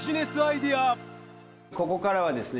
ここからはですね